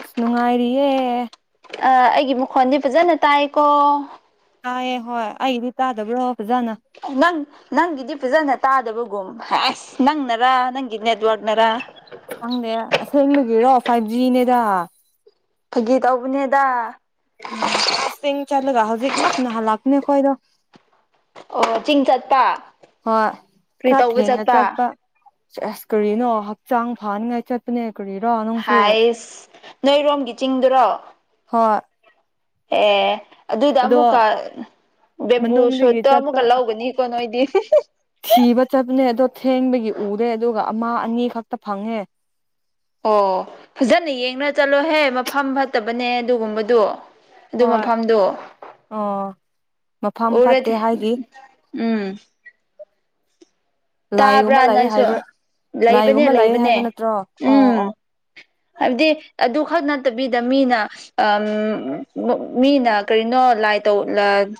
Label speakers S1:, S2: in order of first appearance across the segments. S1: ꯑꯁ ꯅꯨꯡꯉꯥꯏꯔꯤꯌꯦ
S2: ꯑ ꯑꯩꯒꯤ ꯃꯈꯣꯟꯗꯤ ꯐꯖꯅ ꯇꯥꯏꯀꯣ꯫
S1: ꯇꯥꯏꯑꯦ ꯍꯣꯏ ꯑꯩꯗꯤ ꯇꯥꯗꯕ꯭ꯔꯣ ꯐꯖꯅ꯫
S2: ꯅꯪ ꯅꯪꯒꯤꯗꯤ ꯐꯖꯅ ꯇꯥꯗꯕꯒꯨꯝ ꯑꯁ ꯅꯪꯅꯔꯥ ꯅꯪꯒꯤ ꯅꯦꯠꯋꯥꯛꯅꯔ꯫
S1: ꯈꯪꯗꯦ ꯑꯁꯦꯡꯕꯒꯤꯔꯣ ꯐꯥꯏꯚ ꯖꯤꯅꯦꯗ꯫
S2: ꯐꯒꯤ ꯇꯧꯕꯅꯦꯗ꯫
S1: ꯎꯝ ꯑꯁ ꯆꯤꯡ ꯆꯠꯂꯒ ꯍꯧꯖꯤꯛ ꯃꯛꯅ ꯍꯜꯂꯛꯄꯅꯦ ꯈꯣꯏꯗꯣ꯫
S2: ꯑꯣ ꯆꯤꯡ ꯆꯠꯄ꯫
S1: ꯍꯣꯏ
S2: ꯀꯔꯤ
S1: ꯈꯔ
S2: ꯇꯧꯕ
S1: ꯊꯦꯡꯅ ꯆꯠꯄ ꯑꯁ ꯀꯔꯤꯅꯣ ꯍꯛꯆꯥꯡ ꯐꯍꯟꯅꯤꯡꯉꯥꯏ ꯆꯠꯄꯅꯦ꯫ ꯀꯔꯤꯔ ꯅꯪ
S2: ꯍꯥꯏꯁ ꯅꯣꯏꯔꯣꯝꯒꯤ ꯆꯤꯡꯗꯨꯔꯣ꯫
S1: ꯍꯣꯏ
S2: ꯑꯦ ꯑꯗꯨꯗ
S1: ꯑꯗꯣ
S2: ꯑꯃꯨꯛꯀ ꯕꯦꯝꯕꯨ
S1: ꯃꯅꯨꯡꯗꯒꯤ
S2: ꯁꯨꯠꯇꯣ ꯑꯃꯨꯛꯀ
S1: ꯆꯠꯄ
S2: ꯂꯧꯒꯅꯤꯀꯣ ꯅꯣꯏꯗꯤ꯫
S1: ꯊꯤꯕ ꯆꯠꯄꯅꯦ ꯑꯗꯣ ꯊꯦꯡꯕꯒꯤ ꯎꯔꯦ ꯑꯗꯨꯒ ꯑꯃ ꯑꯅꯤ ꯈꯛꯇ ꯐꯪꯉꯦ꯫
S2: ꯑꯣ ꯐꯖꯅ ꯌꯦꯡꯅ ꯆꯠꯂꯣꯍꯦ ꯃꯐꯝ ꯐꯠꯇꯕꯅꯦ ꯑꯗꯨꯒꯨꯝꯕꯗꯣ꯫ ꯑꯗꯨ
S1: ꯍꯣꯏ
S2: ꯃꯐꯝꯗꯣ
S1: ꯑꯣ ꯃꯐꯝ ꯐꯠꯇꯦ
S2: ꯎꯔꯗꯤ
S1: ꯍꯥꯏꯗꯤ
S2: ꯎꯝ ꯇꯕ꯭ꯔꯥ
S1: ꯂꯥꯏꯒꯨꯝꯕ ꯂꯥꯛꯑꯦ
S2: ꯅꯪꯁꯨ
S1: ꯍꯥꯏꯕ
S2: ꯂꯩꯕꯅꯦ
S1: ꯂꯥꯏꯒꯨꯝꯕ ꯂꯥꯛꯑꯦ
S2: ꯂꯩꯕꯅꯦ
S1: ꯍꯥꯏꯕ ꯅꯠꯇ꯭ꯔꯣ ꯑꯣ
S2: ꯎꯝ
S1: ꯑꯣ
S2: ꯍꯥꯏꯕꯗꯤ ꯑꯗꯨ ꯈꯛ ꯅꯠꯇꯕꯤꯗ ꯃꯤꯅ ꯃꯤꯅ ꯀꯔꯤꯅꯣ ꯂꯥꯏ ꯇꯧ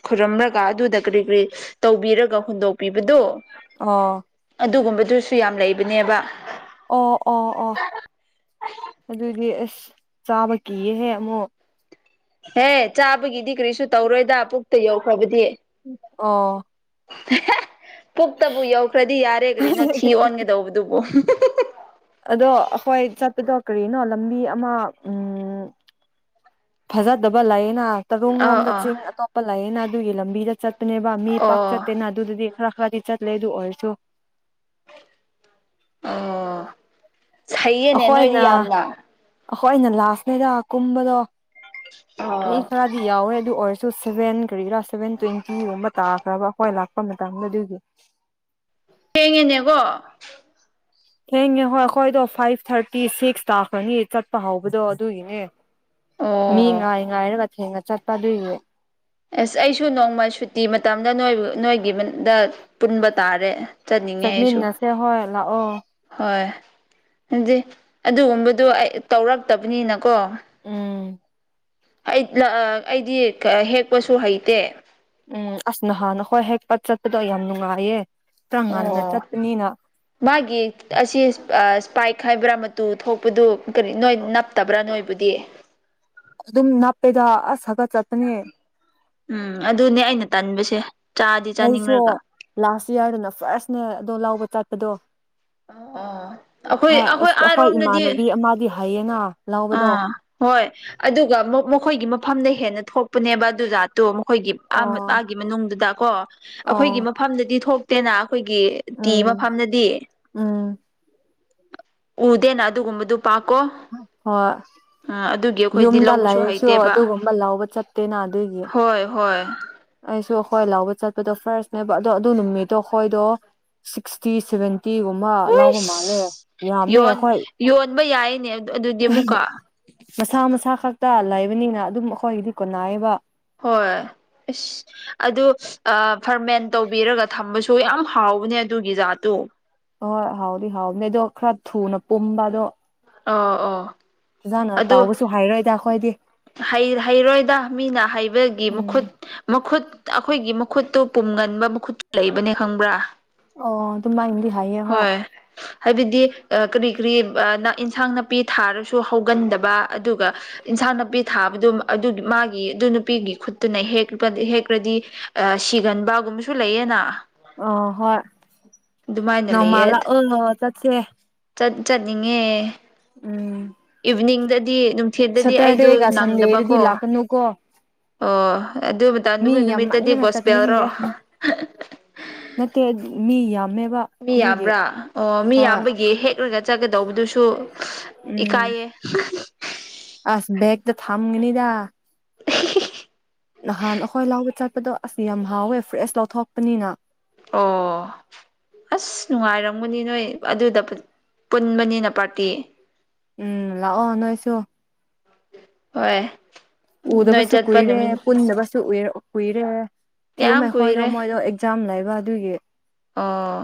S2: ꯈꯨꯔꯝꯂꯒ ꯑꯗꯨꯗ ꯀꯔꯤ ꯀꯔꯤ ꯇꯧꯕꯤꯔꯒ ꯍꯨꯟꯗꯣꯛꯄꯤꯕꯗꯣ꯫
S1: ꯑꯣ
S2: ꯑꯗꯨꯒꯨꯝꯕꯗꯨꯁꯨ ꯌꯥꯝ ꯂꯩꯕꯅꯦꯕ꯫
S1: ꯑꯣ ꯑꯣ ꯑꯣ ꯑꯗꯨꯗꯤ ꯑꯁ ꯆꯥꯕ ꯀꯤꯌꯦꯍꯦ ꯑꯃꯨꯛ
S2: ꯍꯦ ꯆꯥꯕꯒꯤꯗꯤ ꯀꯔꯤꯁꯨ ꯇꯧꯔꯣꯏꯗ ꯄꯨꯛꯇ ꯌꯧꯈ꯭ꯔꯕꯗꯤ꯫
S1: ꯑꯣ
S2: ꯄꯨꯛꯇꯕꯨ ꯌꯧꯈ꯭ꯔꯗꯤ ꯌꯥꯔꯦ ꯀꯔꯤꯅꯣ ꯊꯤ ꯑꯣꯟꯒꯗꯧꯕꯗꯨꯕꯨ
S1: ꯑꯗꯣ ꯑꯩꯈꯣꯏ ꯆꯠꯄꯗꯣ ꯀꯔꯤꯅꯣ ꯂꯝꯕꯤ ꯑꯃ ꯎꯝ ꯐꯖꯗꯕ ꯂꯩꯌꯦꯅ
S2: ꯑꯥ
S1: ꯇꯥꯕꯨꯡꯂꯣꯝꯗ
S2: ꯑꯥ
S1: ꯆꯤꯡ ꯑꯇꯣꯞꯄ ꯂꯩꯌꯦꯅ ꯑꯗꯨꯒꯤ ꯂꯝꯕꯤꯗ ꯆꯠꯄꯅꯦꯕ ꯃꯤ ꯄꯥꯛ
S2: ꯑꯣ
S1: ꯆꯠꯇꯦꯅ ꯑꯗꯨꯗꯨꯗꯤ ꯈꯔ ꯈꯔꯗꯤ ꯆꯠꯂꯦ ꯑꯗꯨ ꯑꯣꯏꯔꯁꯨ
S2: ꯑꯣ ꯍꯩꯌꯦꯅꯦ ꯅꯣꯏꯗꯤ
S1: ꯑꯈꯣꯏꯅ
S2: ꯌꯥꯝꯅ
S1: ꯑꯈꯣꯏꯅ ꯂꯥꯁꯅꯤꯗ ꯀꯨꯝꯕꯗꯣ
S2: ꯑꯣ
S1: ꯃꯤ ꯈꯔꯗꯤ ꯌꯥꯎꯋꯦ ꯑꯗꯨ ꯑꯣꯏꯔꯁꯣ ꯁꯖꯦꯟ ꯀꯔꯤꯔꯥ ꯁꯚꯦꯟ ꯇꯣꯏꯋꯦꯟꯇꯤꯒꯨꯝꯕ ꯇꯥꯈꯔꯥꯕ ꯑꯩꯈꯣꯏ ꯂꯥꯛꯄ ꯃꯇꯝꯗ ꯑꯗꯨꯒꯤ
S2: ꯊꯦꯡꯉꯦꯅꯦꯀꯣ
S1: ꯊꯦꯡꯉꯦ ꯍꯣꯏ ꯑꯩꯈꯣꯏꯗꯣ ꯐꯥꯏꯚ ꯊꯥꯔꯇꯤ ꯁꯤꯛꯁ ꯇꯥꯛꯈꯔꯥꯅꯤ ꯆꯠꯄ ꯍꯧꯕꯗꯣ ꯑꯗꯨꯒꯤꯅꯦ ꯃꯤ
S2: ꯑꯣ
S1: ꯉꯥꯏ ꯉꯥꯏꯔꯒ ꯊꯦꯡꯅ ꯆꯠꯄ ꯑꯗꯨꯏꯅꯦ
S2: ꯑꯦꯁ ꯑꯩꯁꯨ ꯅꯣꯡꯃꯥ ꯁꯨꯇꯤ ꯃꯇꯝꯗ ꯅꯣꯏꯕꯨ ꯅꯣꯏꯒꯤꯗ ꯄꯨꯟꯕ ꯇꯥꯔꯦ ꯆꯠꯅꯤꯡꯉꯦ ꯑꯩꯁꯨ
S1: ꯆꯠꯃꯤꯟꯅꯁꯦ ꯍꯣꯏ ꯂꯥꯛꯑꯣ
S2: ꯍꯣꯏ ꯑꯗꯨꯗꯤ ꯑꯗꯨꯒꯨꯝꯕꯗꯣ ꯑꯩ ꯇꯧꯔꯛꯇꯕꯅꯤꯅꯀꯣ
S1: ꯎꯝ
S2: ꯑꯩ ꯑꯩꯗꯤ ꯍꯦꯛꯄꯁꯨ ꯍꯩꯇꯦ
S1: ꯎꯝ ꯑꯁ ꯅꯍꯥꯟ ꯍꯣꯏ ꯍꯦꯛꯄꯠ ꯆꯠꯄꯗꯣ ꯌꯥꯝ ꯅꯨꯡꯉꯥꯏꯌꯦ ꯈꯔ ꯉꯟꯅ
S2: ꯑꯣ
S1: ꯆꯠꯄꯅꯤꯅ
S2: ꯃꯥꯒꯤ ꯑꯁꯤ ꯁꯄꯥꯏꯛ ꯍꯥꯏꯕ꯭ꯔꯥ ꯇꯨ ꯊꯣꯛꯄꯗꯨ ꯀꯔꯤ ꯅꯣꯏ ꯅꯞꯇꯕ꯭ꯔꯥ ꯅꯣꯏꯕꯨꯗꯤ
S1: ꯑꯗꯨꯝ ꯅꯞꯄꯦꯗ ꯑꯁ ꯍꯗꯛ ꯆꯠꯄꯅꯦ
S2: ꯎꯝ ꯑꯗꯨꯅꯦ ꯑꯩꯅ ꯇꯟꯕꯁꯦ ꯆꯥꯗꯤ
S1: ꯑꯩꯁꯨ
S2: ꯆꯥꯅꯤꯡꯔꯒ
S1: ꯂꯥꯁ ꯏꯌꯔꯗꯅ ꯐꯥꯔꯁꯅꯦ ꯑꯗꯣ ꯂꯥꯎꯕ ꯆꯠꯄꯗꯣ
S2: ꯑꯣ ꯑꯩꯈꯣꯏ
S1: ꯑꯁ ꯑꯩꯈꯣꯏ
S2: ꯑꯥꯔꯣꯝꯗꯗꯤ
S1: ꯏꯃꯥꯟꯅꯕꯤ ꯑꯃꯗꯤ ꯍꯩꯌꯦꯅ ꯂꯥꯎꯕꯗꯣ
S2: ꯑꯥ ꯍꯣꯏ ꯑꯗꯨꯒ ꯑꯃꯨꯛ ꯃꯈꯣꯏꯒꯤ ꯃꯐꯝꯗ ꯍꯦꯟꯅ ꯊꯣꯛꯄꯅꯦꯕ ꯑꯗꯨꯖꯥꯠ ꯇꯣ ꯃꯈꯣꯏꯒꯤ
S1: ꯑꯣ
S2: ꯃꯥꯒꯤ ꯃꯅꯨꯡꯗꯨꯗ ꯀꯣ
S1: ꯑꯣ
S2: ꯑꯩꯈꯣꯏꯒꯤ ꯃꯐꯝꯗꯗꯤ ꯊꯣꯛꯇꯦꯅ ꯑꯩꯈꯣꯏꯒꯤ
S1: ꯎꯝ
S2: ꯇꯤꯕꯐꯝꯗꯗꯤ
S1: ꯎꯝ
S2: ꯎꯗꯦꯅ ꯑꯗꯨꯒꯨꯝꯕꯗꯨ ꯄꯥꯛꯀꯣ
S1: ꯍꯣꯏ
S2: ꯑꯥ ꯑꯗꯨꯒꯤ ꯑꯩꯈꯣꯏꯗꯤ
S1: ꯌꯨꯝꯗ
S2: ꯂꯧꯕꯁꯨ
S1: ꯂꯩꯔꯁꯨ
S2: ꯍꯩꯇꯦꯕ
S1: ꯑꯗꯨꯒꯨꯝꯕ ꯂꯧꯕ ꯆꯠꯇꯦꯅ ꯑꯗꯨꯒꯤ
S2: ꯍꯣꯏ ꯍꯣꯏ
S1: ꯑꯩꯁꯨ ꯑꯩꯈꯣꯏ ꯂꯥꯎꯕ ꯆꯠꯄꯗꯣ ꯐꯥꯔꯁꯅꯦꯕ ꯑꯗꯣ ꯑꯗꯨ ꯅꯨꯃꯤꯠꯇꯣ ꯑꯩꯈꯣꯏꯗꯣ ꯁꯤꯛꯁꯇꯤ ꯁꯚꯦꯟ ꯇꯤꯒꯨꯝꯕ ꯂꯧꯕ ꯃꯥꯜꯂꯦ
S2: ꯍꯨꯏꯁ
S1: ꯌꯥꯝꯃꯦ
S2: ꯌꯣꯟ
S1: ꯑꯩꯈꯣꯏ
S2: ꯌꯣꯟꯕ ꯌꯥꯏꯅꯦ ꯑꯗꯨꯗꯤ ꯑꯃꯨꯛꯀ
S1: ꯃꯁꯥ ꯃꯁꯥ ꯈꯛꯇ ꯂꯩꯕꯅꯤꯅ ꯑꯗꯨꯝ ꯑꯩꯈꯣꯏꯒꯤꯗꯤ ꯀꯣꯟꯅꯥꯏꯕ
S2: ꯍꯣꯏ ꯏꯁ ꯑꯗꯨ ꯑꯥ ꯐꯔꯃꯦꯟ ꯇꯧꯕꯤꯔꯒ ꯊꯝꯕꯁꯨ ꯌꯥꯝ ꯍꯥꯎꯕꯅꯦ ꯑꯗꯨꯒꯤ ꯖꯥꯠꯇꯨ
S1: ꯍꯣꯏ ꯍꯥꯎꯗꯤ ꯍꯥꯎꯕꯅꯦ ꯑꯗꯣ ꯈꯔ ꯊꯨꯅ ꯄꯨꯝꯕ ꯑꯗꯣ
S2: ꯑꯣ ꯑꯣ
S1: ꯐꯖꯥꯅ
S2: ꯑꯗꯨ
S1: ꯇꯥꯎꯕꯁꯨ ꯍꯥꯏꯔꯣꯏꯗ ꯑꯩꯈꯣꯏꯗꯤ
S2: ꯍꯩ ꯍꯩꯔꯣꯏꯗ ꯃꯤꯅ ꯍꯩꯕꯒꯤ
S1: ꯎꯝ
S2: ꯃꯈꯨꯠ ꯃꯈꯨꯠ ꯑꯩꯈꯣꯏꯒꯤ ꯃꯈꯨꯠꯇꯨ ꯄꯨꯝꯒꯟꯕ ꯃꯈꯨꯠ ꯂꯩꯕꯅꯦ ꯈꯪꯕ꯭ꯔꯥ
S1: ꯑꯣ ꯑꯗꯨꯃꯥꯏ ꯃꯤ ꯍꯥꯏꯌꯦ ꯍꯣꯏ
S2: ꯍꯥꯏꯕꯗꯤ ꯑꯥ ꯀꯔꯤ ꯀꯔꯤ ꯑꯥ ꯏꯟꯁꯥꯡ ꯅꯥꯄꯤ ꯊꯥꯔꯁꯨ ꯍꯧꯒꯟꯗꯕ ꯑꯗꯨꯒ ꯏꯟꯁꯥꯡ ꯅꯥꯄꯤ ꯊꯥꯕꯗꯨ ꯑꯗꯨ ꯃꯥꯒꯤ ꯑꯗꯨ ꯅꯨꯄꯤꯒꯤ ꯈꯨꯠꯇꯨꯅ ꯍꯦꯛꯄꯥ ꯍꯦꯛꯈ꯭ꯔꯗꯤ ꯑꯥ ꯁꯤꯒꯟꯕꯒꯨꯝꯕꯁꯨ ꯂꯩꯌꯦꯅ
S1: ꯑꯣ ꯍꯣꯏ
S2: ꯑꯗꯨꯃꯥꯏꯅ
S1: ꯅꯣꯡꯃ
S2: ꯂꯩꯌꯦ
S1: ꯂꯥꯛꯑꯣ ꯆꯠꯁꯦ
S2: ꯆꯠ ꯆꯠꯅꯤꯡꯉꯦ
S1: ꯎꯝ
S2: ꯏꯚꯤꯅꯤꯡꯗꯗꯤ ꯑꯗꯨꯝ
S1: ꯁꯥꯇꯔꯗꯦꯒ ꯁꯟꯗꯦꯗꯗꯤ ꯂꯛꯀꯅꯨꯀꯣ
S2: ꯑꯣ ꯑꯗꯨ ꯃꯇꯝꯗꯨꯕꯨ ꯅꯨꯃꯤꯠꯇꯗꯤ
S1: ꯌꯥꯝꯃꯟꯗꯅ
S2: ꯒꯣꯁꯄꯦꯜꯔꯣ
S1: ꯆꯠꯅꯤꯡꯗꯦ ꯅꯠꯇꯦ ꯃꯤ ꯌꯥꯝꯃꯦꯕ
S2: ꯃꯤ
S1: ꯑꯗꯨꯒꯤ
S2: ꯌꯥꯝꯕ꯭ꯔꯥ ꯑꯣ ꯃꯤ
S1: ꯍꯣꯏ
S2: ꯌꯥꯝꯕꯒꯤ ꯍꯦꯛꯔꯒ ꯆꯠꯀꯗꯧꯕꯗꯨꯁꯨ
S1: ꯎꯝ
S2: ꯏꯀꯥꯏꯌꯦ [unintelligible]
S1: ꯑꯁ ꯕꯦꯛꯇ ꯐꯝꯒꯅꯤꯗ
S2: [unintelligible]
S1: ꯅꯍꯥꯟ ꯑꯈꯣꯏ ꯂꯧꯕ ꯆꯠꯄꯗꯣ ꯑꯁ ꯌꯥꯝ ꯍꯥꯎꯋꯦ ꯐ꯭ꯔꯦꯁ ꯂꯥꯎꯊꯣꯛꯄꯅꯤꯅ
S2: ꯑꯣ ꯑꯁ ꯅꯨꯡꯉꯥꯏꯔꯝꯒꯅꯤ ꯅꯣꯏ ꯑꯗꯨꯗ ꯄꯨꯠ ꯄꯨꯟꯕꯅꯤꯅ ꯄꯥꯔꯇꯤ
S1: ꯎꯝ ꯂꯥꯛꯑꯣ ꯅꯣꯏꯁꯨ
S2: ꯍꯣꯏ ꯅꯣꯏ
S1: ꯎꯗꯕꯁꯨ
S2: ꯆꯠꯄ
S1: ꯀꯨꯏꯔꯦ
S2: ꯅꯨꯃꯤꯠ
S1: ꯄꯨꯟꯗꯕꯁꯨ ꯎꯏꯔꯦ ꯀꯨꯏꯔꯦ ꯊꯤꯌꯨꯃꯦ
S2: ꯌꯥꯝ
S1: ꯈꯣꯏꯗꯣ
S2: ꯀꯨꯏꯔꯦ
S1: ꯃꯣꯏꯗꯣ ꯑꯦꯛ ꯖꯥꯝ ꯂꯩꯕ ꯑꯗꯨꯒꯤ
S2: ꯑꯣ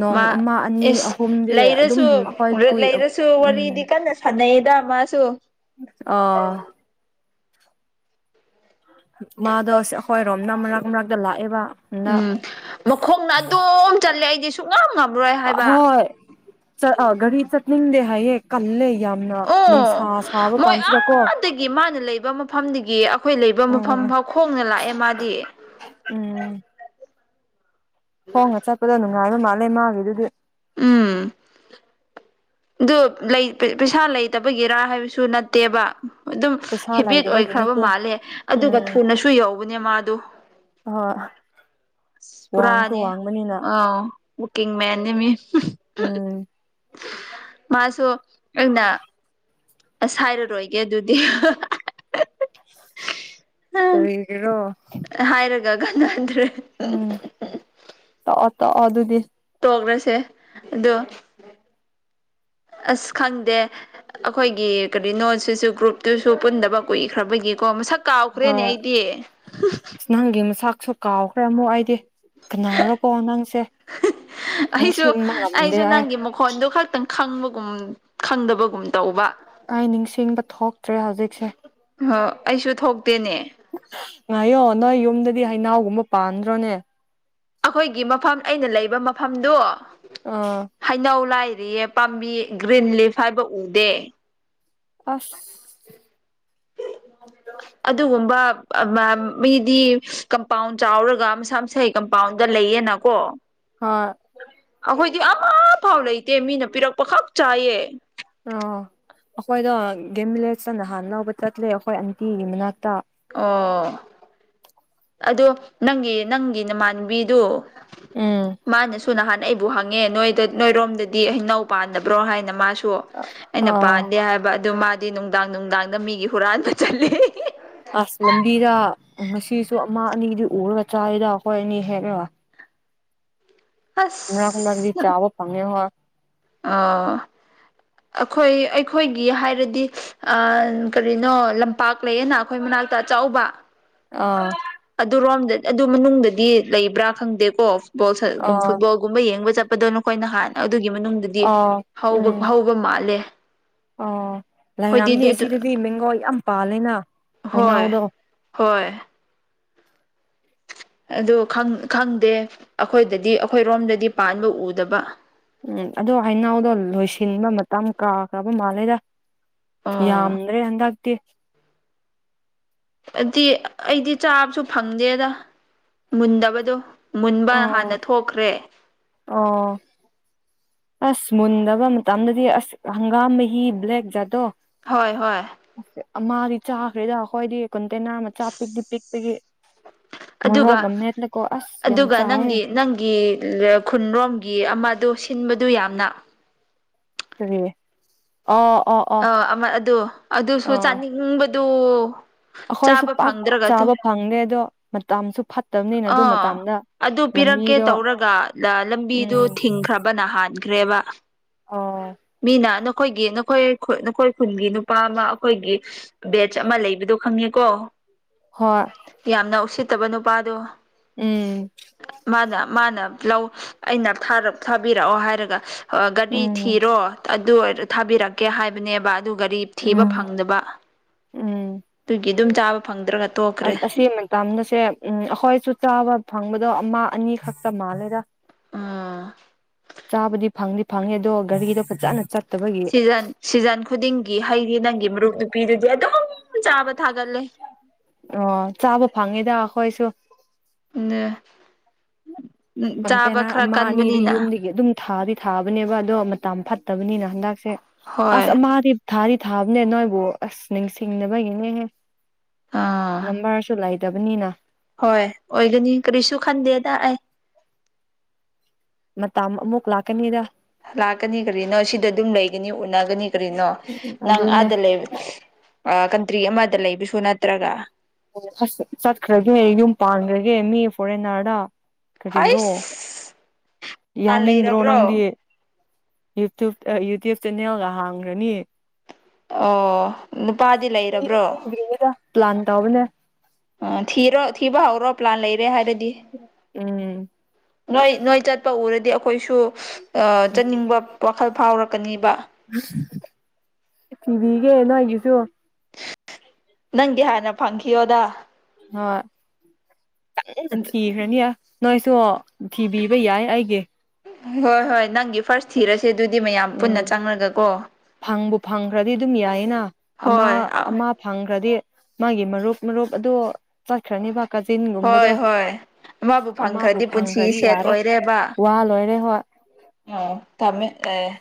S1: ꯅꯣꯡ
S2: ꯃꯥ
S1: ꯑꯃ ꯑꯅꯤ
S2: ꯏꯁ
S1: ꯑꯍꯨꯝꯗꯤ ꯑꯗꯨꯝ
S2: ꯂꯩꯔꯁꯨ
S1: ꯑꯩꯈꯣꯏ
S2: ꯕꯤꯠ
S1: ꯀꯨꯏ
S2: ꯂꯩꯔꯁꯨ
S1: ꯎꯝ
S2: ꯋꯥꯔꯤꯗꯤ ꯀꯟꯅ ꯊꯅꯩꯗ ꯃꯥꯁꯨ
S1: ꯑꯣ ꯃꯥꯗꯣ ꯑꯁ ꯑꯩꯈꯣꯏꯔꯣꯝꯅ ꯃꯔꯛ ꯃꯔꯛꯇ ꯂꯥꯛꯑꯦꯕ ꯍꯟꯗꯛ
S2: ꯎꯝ ꯃꯈꯣꯡꯅ ꯑꯗꯨꯝ ꯆꯠꯂꯦ ꯑꯩꯗꯤ ꯁꯨ
S1: ꯑꯍꯣꯏ ꯆꯠ ꯑꯥ ꯒꯥꯔꯤ ꯆꯠꯅꯤꯡꯗꯦ ꯍꯥꯏꯌꯦ ꯀꯜꯂꯦ ꯌꯥꯝꯅ ꯅꯨꯡꯁꯥ
S2: ꯑꯣ
S1: ꯁꯥꯕ
S2: ꯃꯣꯏ
S1: ꯀꯥꯟꯁꯤꯗ ꯀꯣ
S2: ꯑꯥꯗꯒꯤ ꯃꯥꯅ ꯂꯩꯕ ꯃꯐꯝꯗꯒꯤ ꯑꯩꯈꯣꯏ ꯂꯩꯕ ꯃꯐꯝ
S1: ꯎꯝ
S2: ꯐꯥꯎ ꯈꯣꯡꯅ ꯂꯥꯛꯑꯦ ꯃꯥꯗꯤ
S1: ꯎꯝ ꯈꯣꯡꯅ ꯆꯠꯄꯗ ꯅꯨꯡꯉꯥꯏꯕ ꯃꯥꯜꯂꯦ ꯃꯥꯒꯤꯗꯨꯗꯤ
S2: ꯎꯝ ꯑꯗꯨ ꯂꯩ ꯄꯩ ꯄꯩꯁꯥ ꯂꯩꯇꯕꯒꯤꯔꯥ ꯍꯥꯏꯕꯁꯨ ꯅꯠꯇꯦꯕ ꯑꯗꯨꯝ
S1: ꯄꯩꯁꯥ
S2: ꯍꯦꯕꯤꯠ
S1: ꯂꯩꯗꯕꯒꯤ
S2: ꯑꯣꯏꯈ꯭ꯔꯕ
S1: ꯅꯠꯇꯦ
S2: ꯃꯥꯜꯂꯦ ꯑꯗꯨꯒ
S1: ꯎꯝ
S2: ꯊꯨꯅꯁꯨ ꯌꯧꯕꯅꯦ ꯃꯥꯗꯨ
S1: [unintelligible]
S2: ꯑꯁ
S1: ꯋꯥꯡꯁꯨ
S2: ꯄꯨꯔꯥꯅꯦ
S1: ꯋꯥꯡꯕꯅꯤꯅ
S2: ꯑ ꯋꯀꯤꯡ ꯃꯦꯟꯅꯤ ꯃꯤ
S1: ꯎꯝ
S2: ꯃꯥꯁꯨ ꯑꯩꯅ ꯑꯁ ꯍꯥꯏꯔꯔꯣꯏꯒꯦ ꯑꯗꯨꯗꯤ
S1: ꯀꯔꯤꯒꯤꯔꯣ
S2: ꯑꯥ ꯍꯥꯏꯔꯒ ꯀꯥꯟꯅꯗ꯭ꯔꯦ
S1: ꯎꯝ ꯇꯣꯛꯑꯣ ꯇꯣꯛꯑꯣ ꯑꯗꯨꯗꯤ
S2: ꯇꯣꯛꯔꯁꯦ ꯑꯗꯨ ꯑꯁ ꯈꯪꯗꯦ ꯑꯩꯈꯣꯏꯒꯤ ꯀꯔꯤꯅꯣ ꯁꯤꯁꯨ ꯒ꯭ꯔꯨꯞꯇꯨꯁꯨ ꯄꯨꯟꯗꯕ ꯀꯨꯏꯈ꯭ꯔꯕꯒꯤꯀꯣ ꯃꯁꯛ ꯀꯥꯎꯈ꯭ꯔꯦꯅꯦ
S1: ꯍꯣꯏ
S2: ꯑꯩꯗꯤ
S1: ꯅꯪꯒꯤ ꯃꯁꯥꯛꯁꯨ ꯀꯥꯎꯈ꯭ꯔꯦ ꯑꯃꯨꯛ ꯑꯩꯗꯤ ꯀꯅꯥꯔꯣꯀꯣ ꯅꯪꯁꯦ
S2: ꯑꯩꯁꯨ
S1: ꯅꯤꯡꯁꯤꯡꯕ ꯉꯝꯗꯦ
S2: ꯑꯩꯁꯨ
S1: ꯑꯩ
S2: ꯅꯪꯒꯤ ꯃꯈꯣꯟꯗꯨ ꯈꯛꯇꯪ ꯈꯪꯕꯒꯨꯝ ꯈꯪꯗꯕꯒꯨꯝ ꯇꯧꯕ
S1: ꯑꯩ ꯅꯤꯡꯁꯤꯡꯕ ꯊꯣꯛꯇ꯭ꯔꯦ ꯍꯧꯖꯤꯛꯁꯦ
S2: ꯑꯣꯍꯣ ꯑꯩꯁꯨ ꯊꯣꯛꯇꯦꯅꯦ
S1: ꯉꯥꯏꯌꯣ ꯅꯣꯏ ꯌꯨꯝꯗꯗꯤ ꯍꯩꯅꯧꯒꯨꯝꯕ ꯄꯥꯟꯗ꯭ꯔꯣꯅꯦ
S2: ꯑꯈꯣꯏꯒꯤ ꯃꯐꯝ ꯑꯩꯅ ꯂꯩꯕ ꯃꯐꯝꯗꯨ
S1: ꯑꯣ
S2: ꯍꯩꯅꯧ ꯂꯥꯏꯔꯤꯌꯦ ꯄꯥꯝꯕꯤ ꯒ꯭ꯔꯤꯟ ꯂꯤꯐ ꯍꯥꯏꯕ ꯎꯗꯦ
S1: ꯑꯁ
S2: [unintelligible] ꯑꯗꯨꯒꯨꯝꯕ ꯑꯃ ꯃꯤꯗꯤ ꯀꯝꯄꯥꯎꯟ ꯆꯥꯎꯔꯒ ꯃꯁꯥ ꯃꯁꯥꯒꯤ ꯀꯝꯄꯥꯎꯟꯗ ꯂꯩꯌꯦꯅ ꯀꯣ
S1: ꯍꯥꯏ
S2: ꯑꯈꯣꯏꯗꯤ ꯑꯃꯐꯥꯎ ꯂꯩꯇꯦ ꯃꯤꯅ ꯄꯤꯔꯛꯄ ꯈꯛ ꯆꯥꯏꯌꯦ
S1: ꯑꯣ ꯑꯈꯣꯏꯗꯣ ꯒꯦꯝꯚꯤꯂꯦꯖꯇ ꯅꯍꯥꯟꯅ ꯂꯧꯕ ꯆꯠꯂꯦ ꯑꯈꯣꯏ ꯑꯟꯇꯤꯒꯤ ꯃꯅꯥꯛꯇ
S2: ꯑꯣ ꯑꯗꯣ ꯅꯪꯒꯤ ꯅꯪꯒꯤ ꯅꯃꯥꯟꯅꯕꯤꯗꯨ
S1: ꯎꯝ
S2: ꯃꯥꯅꯁꯨ ꯁꯨ ꯅꯍꯥꯟ ꯑꯩꯕꯨ ꯍꯪꯉꯦ ꯅꯣꯏꯗ ꯅꯣꯏꯔꯣꯝꯗꯗꯤ ꯍꯩꯅꯧ ꯄꯥꯟꯗꯥꯕ꯭ꯔꯣ ꯍꯥꯏꯅ ꯃꯥꯁꯨ ꯇꯨ ꯑꯩꯅ
S1: ꯑꯥ
S2: ꯄꯥꯟꯗꯦ ꯍꯥꯏꯕ ꯑꯗꯨ ꯃꯥꯗꯤ ꯅꯨꯡꯗꯥꯡ ꯅꯨꯡꯗꯥꯡꯗ ꯃꯤꯒꯤ ꯍꯨꯔꯥꯟꯕ ꯆꯠꯂꯦ
S1: ꯑꯁ ꯂꯝꯕꯤꯗ ꯉꯁꯤꯁꯨ ꯑꯃ ꯑꯅꯤꯗꯤ ꯎꯔꯒ ꯆꯥꯏꯌꯦꯗ ꯑꯩꯈꯣꯏ ꯑꯅꯤ ꯍꯦꯛꯂꯒ ꯃꯔꯛ ꯃꯔꯛꯇꯤ
S2: ꯑꯁ
S1: ꯆꯥꯕ ꯐꯥꯡꯉꯦ ꯍꯥ
S2: ꯑ ꯑꯈꯣꯏ ꯑꯩꯈꯣꯏꯒꯤ ꯍꯥꯏꯔꯗꯤ ꯑ ꯀꯔꯤꯅꯣ ꯂꯝꯄꯥꯛ ꯂꯩꯌꯦꯅ ꯑꯈꯣꯏ ꯃꯅꯥꯛꯇ ꯑꯆꯧꯕ
S1: ꯑꯥ
S2: ꯑꯗꯨꯔꯣꯝꯗ ꯑꯗꯨ ꯃꯅꯨꯡꯗꯗꯤ ꯂꯩꯕ꯭ꯔꯥ ꯈꯪꯗꯦꯀꯣ ꯐꯨꯠꯕꯣꯜ ꯁꯥ
S1: ꯑꯥ
S2: ꯐꯨꯠꯕꯣꯜ ꯒꯨꯝꯕ ꯌꯦꯡꯕ ꯆꯠꯄꯗꯣ ꯅꯈꯣꯏ ꯅꯍꯥꯟ ꯑꯗꯨꯒꯤ ꯃꯅꯨꯡꯗꯗꯤ
S1: ꯑꯥ
S2: ꯍꯧꯕ ꯍꯧꯕ ꯃꯥꯜꯂꯦ
S1: ꯑꯣ
S2: ꯑꯩꯈꯣꯏꯗꯤ
S1: ꯂꯩꯔꯝꯅꯤ
S2: ꯑꯗꯨ
S1: ꯑꯁꯤꯗꯗꯤ ꯃꯦꯡꯒꯣ ꯌꯥꯝ ꯄꯥꯜꯂꯦꯅ
S2: ꯍꯣꯏ
S1: ꯍꯩꯅꯧꯗꯣ
S2: ꯍꯣꯏ ꯑꯗꯨ ꯈꯪ ꯈꯪꯗꯦ ꯑꯈꯣꯏꯗꯗꯤ ꯑꯈꯣꯏꯔꯣꯝꯗꯗꯤ ꯄꯥꯟꯕ ꯎꯗꯕ
S1: ꯎꯝ ꯑꯗꯨ ꯍꯩꯅꯧꯗꯣ ꯂꯣꯏꯁꯤꯟꯕ ꯃꯇꯝ ꯀꯥ ꯀꯥꯕ ꯃꯥꯜꯂꯦꯗ
S2: ꯑꯣ
S1: ꯌꯥꯝꯗ꯭ꯔꯦ ꯍꯟꯗꯛꯇꯤ
S2: ꯑꯗꯤ ꯑꯩꯗꯤ ꯆꯥꯕꯁꯨ ꯐꯪꯗꯦꯗ ꯃꯨꯟꯗꯕꯗꯣ ꯃꯨꯟꯕ
S1: ꯑꯥ
S2: ꯍꯥꯟꯅ ꯊꯣꯛꯈ꯭ꯔꯦ
S1: ꯑꯣ ꯑꯁ ꯃꯨꯟꯗꯕ ꯃꯇꯝꯗꯗꯤ ꯑꯁ ꯍꯪꯒꯥꯝ ꯃꯍꯤ ꯕ꯭ꯂꯦꯛ ꯖꯥꯗꯣ
S2: ꯍꯣꯏ ꯍꯣꯏ
S1: ꯑꯃꯥꯗꯤ ꯆꯥꯈ꯭ꯔꯦꯗ ꯑꯈꯣꯏꯗꯤ ꯀꯟꯇꯦꯅꯔ ꯃꯆꯥ ꯄꯤꯛꯇꯤ ꯄꯤꯛꯄꯥꯒꯤ
S2: ꯑꯗꯨꯒ
S1: ꯃꯣꯔꯣꯛꯒ ꯃꯦꯠꯂꯀꯣ ꯑꯁ ꯌꯥꯝ
S2: ꯑꯗꯨꯒ
S1: ꯆꯥꯏꯌꯦ
S2: ꯅꯪꯒꯤ ꯅꯪꯒꯤ ꯈꯨꯟꯔꯣꯝꯒꯤ ꯑꯃꯗꯣ ꯁꯤꯟꯕꯗꯨ ꯌꯥꯝꯅ
S1: ꯀꯔꯤ ꯑꯣ ꯑꯣ ꯑꯣ
S2: ꯑ ꯑꯃ ꯑꯗꯨ ꯑꯗꯨꯁꯨ ꯆꯥꯅꯤꯡꯕꯗꯨ
S1: ꯑꯈꯣꯏꯁꯨ
S2: ꯆꯥꯕ
S1: ꯄꯥꯛ
S2: ꯐꯪꯗ꯭ꯔꯒꯗꯣ
S1: ꯆꯥꯕ ꯐꯪꯗꯦ ꯑꯗꯣ ꯃꯇꯝꯁꯨ ꯐꯠꯇꯝꯅꯤꯅ ꯑꯗꯨ
S2: ꯑꯥ
S1: ꯃꯇꯝꯗ‌ꯣ
S2: ꯑꯗꯨ ꯄꯤꯔꯛꯀꯦ ꯇꯧꯔꯒ ꯂ ‌ꯂꯝꯕꯤꯗꯨ
S1: ꯎꯝ
S2: ꯊꯤꯡꯈ꯭ꯔꯕꯅ ꯍꯥꯟꯈ꯭ꯔꯦꯕ
S1: [unintelligible]
S2: ꯃꯤꯅ ꯅꯈꯣꯏꯒꯤ ꯅꯈꯣꯏ ꯈꯨꯟ ꯅꯈꯣꯏ ꯈꯨꯟꯒꯤ ꯅꯨꯄꯥ ꯑꯃꯥ ꯑꯈꯣꯏꯒꯤ ꯕꯦꯠ ꯆꯞ ꯃ ꯂꯩꯕꯗꯣ ꯈꯪꯉꯦꯀꯣ
S1: ꯍꯣꯏ
S2: ꯌꯥꯝꯅ ꯎꯁꯤꯠꯇꯕ ꯅꯨꯄꯥꯗꯣ
S1: ꯎꯝ ꯎꯝ
S2: ꯃꯥꯅ ꯃꯥꯅ ꯂꯧ ꯑꯩꯅ ꯊꯥꯔꯞ ꯊꯥꯕꯤꯔꯛꯑꯣ ꯍꯥꯏꯔꯒ ꯑ ꯒꯥꯔꯤ
S1: ꯎꯝ
S2: ꯊꯤꯔꯣ ꯑꯗꯨ ꯑꯣꯏꯔ ꯊꯥꯕꯤꯔꯛꯀꯦ ꯍꯥꯏ ꯕꯅꯦꯕ ꯑꯗꯨ ꯒꯥꯔꯤ ꯊꯤꯕ
S1: ꯎꯝ
S2: ꯐꯪꯗꯕ
S1: ꯎꯝ
S2: ꯇꯨꯒꯤ ꯑꯗꯨꯝ ꯆꯥꯕ ꯐꯪꯗ꯭ꯔꯒ ꯇꯣꯈ꯭ꯔꯦ
S1: ꯇꯝꯅꯁꯦ ꯎꯝ ꯑꯈꯣꯏꯁꯨ ꯆꯥꯕ ꯐꯪꯕꯗꯣ ꯑꯃꯥ ꯑꯅꯤ ꯈꯛꯇ ꯃꯥꯜꯂꯦꯗ
S2: ꯑꯥ
S1: ꯆꯥꯕꯗꯤ ꯐꯪꯗꯤ ꯐꯪꯉ‌ꯦ ꯑꯗꯣ ꯒꯥꯔꯤꯗꯣ ꯐꯖꯅ ꯆꯠ
S2: ꯁꯤꯖꯟ ꯁꯤꯖꯟ ꯈꯨꯗꯤꯡꯒꯤ ꯍꯩꯗꯤ ꯅꯪꯒꯤ ꯃꯔꯨꯞ ꯅꯨꯄꯤꯗꯨꯗꯤ ꯑꯗꯨꯝ ꯆꯥꯕ ꯊꯥꯒꯠꯂꯦ
S1: ꯑꯣ ꯆꯥꯕ ꯐꯪꯉꯤꯗ ꯑꯈꯣꯏꯁꯨ
S2: ꯅ ꯆꯥꯕ
S1: ꯀꯟꯇꯦꯅꯔ
S2: ꯈꯔ
S1: ꯑꯃ ꯑꯅꯤꯗꯤ
S2: ꯀꯟꯕꯅꯤꯅ
S1: ꯌꯨꯝꯗꯒꯤ ꯑꯗꯨꯝ ꯊꯥꯗꯤ ꯊꯥꯕꯅꯦꯕ ꯑꯗꯣ ꯃꯇꯝ ꯐꯠꯇꯕꯅꯤꯅ ꯍꯟꯗꯛꯁꯦ
S2: ꯍꯣꯏ
S1: ꯑꯁ ꯑ ꯃꯥꯗꯤ ꯊꯥꯗꯤ ꯊꯥꯕꯅꯦ ꯅꯣꯏꯕꯨ ꯑꯁ ꯅꯤꯡꯁꯤꯡ ꯗꯕꯒꯤꯅꯦꯍꯦ
S2: ꯑꯥ
S1: ꯅꯝꯕꯔꯁꯨꯨ ꯂꯩꯗꯕꯅꯤꯅ
S2: ꯍꯣꯏ ꯑꯣꯏꯒꯅꯤ ꯀꯔꯤꯁꯨ ꯈꯟꯗꯦꯗ ꯑꯩ
S1: ꯃꯇꯥꯝ ꯑꯃꯨꯛ ꯂꯥꯛꯀꯅꯤꯗ
S2: ꯂꯥꯛꯀꯅꯤ ꯀꯔꯤꯅꯣ ꯁꯤꯗ ꯑꯗꯨꯝ ꯂꯩꯒꯅꯤ ꯎꯅꯒꯅꯤ ꯀꯔꯤꯅꯣ ꯅꯪ
S1: ꯑꯗꯨꯅꯦ
S2: ꯑꯥꯗ ꯂꯩꯕ ꯑꯥ ꯀꯟꯇ꯭ꯔꯤ ꯑꯃꯗ ꯂꯩꯕꯁꯨ ꯅꯠꯇ꯭ꯔꯒ
S1: ꯑꯁ ꯆꯠꯈ꯭ꯔꯒ‌‌ꯦ ꯌꯨꯝ ꯄꯥꯟꯒ꯭ꯔꯒꯦ ꯃꯤ ꯐꯣꯔꯦꯅꯔꯗ
S2: ꯍꯩꯁ
S1: ꯌꯥꯎꯅꯤꯡꯗ꯭ꯔꯣ ꯅꯪꯗꯤ ꯌꯨꯇꯨꯕ ꯑꯥ ꯌꯨꯇ꯭ꯌꯨꯕ ꯆꯦꯅꯦꯜꯒ ꯍꯥꯡꯒ꯭ꯔꯅꯤ
S2: ꯑꯣ ꯅꯨꯄꯥꯗꯤ ꯂꯩꯔꯕ꯭ꯔꯣ
S1: ꯄ꯭ꯂꯥꯟ ꯇꯧꯕꯅꯦ
S2: ꯑꯥ ꯊꯤꯔꯣ ꯊꯤꯕ ꯍꯧꯔꯣ ꯄ꯭ꯂꯥꯟ ꯂꯩꯔꯦ ꯍꯥꯏꯕꯗꯤ
S1: ꯎꯝ
S2: ꯅꯣꯏ ꯅꯣꯏ ꯆꯠꯄ ꯎꯔꯗꯤ ꯑꯈꯣꯏꯁꯨ ꯑꯥ ꯆꯠꯅꯤꯡꯕ ꯋꯥꯈꯜ ꯐꯥꯎꯔꯛꯀꯅꯤꯕ
S1: ꯊꯤꯕꯤꯒꯦ ꯅ‌ꯣꯏꯒꯤꯖꯨ
S2: ꯅꯪꯒꯤ ꯍꯥꯟꯅ ꯐꯪꯈꯤꯌꯣꯗ
S1: ꯍꯣꯏ ꯀꯟꯅ ꯊꯤꯈꯔꯅꯤ ꯌꯥ ꯅꯣꯏꯁꯨ ꯊꯤꯕꯤꯕ ꯌꯥꯏ ꯑꯩꯒꯤ
S2: ꯍꯣꯏ ꯍꯣꯏ ꯅꯪꯒꯤ ꯐꯥꯔꯁ ꯊꯤꯔꯁꯦ ꯑꯗꯨꯗꯤ ꯃꯌꯥꯝ
S1: ꯎꯝ
S2: ꯄꯨꯟꯅ ꯆꯪꯂꯒ ꯀꯣ
S1: ꯐꯪꯕꯨ ꯐꯪꯈ꯭ꯔꯗꯤ ꯑꯗꯨꯝ ꯌꯥꯏꯌꯦꯅ ꯑꯃꯥ
S2: ꯍꯣꯏ
S1: ꯑꯃꯥ ꯐꯪꯈ꯭ꯔꯗꯤ ꯃꯥꯒꯤ ꯃꯔꯨꯞ ꯃꯔꯨꯞ ꯑꯗꯨ ꯆꯠꯈ꯭ꯔ‌ꯅ‌ꯦꯕ ꯀꯥꯖꯤꯟ ꯒꯨꯝꯕꯗꯣ
S2: ꯍꯣꯏ ꯍꯣꯏ ꯃꯥꯕꯨ
S1: ꯑꯃꯕꯨ
S2: ꯐꯪꯈ꯭ꯔꯗꯤ ꯄꯨꯟꯁꯤ
S1: ꯐꯪꯈ꯭ꯔꯗꯤ
S2: ꯁꯦꯠ
S1: ꯌꯥꯔꯦ
S2: ꯑꯣꯏꯔꯦꯕ
S1: ꯋꯥ ꯂꯣꯏꯔꯦ ꯍꯣꯏ
S2: [unintelligible] ꯊꯝꯃꯦ [unintelligible]